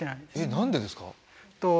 何でですか？